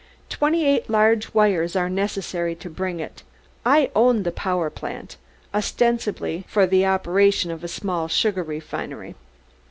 Twenty eight large wires are necessary to bring it; I own the power plant, ostensibly for the operation of a small sugar refinery.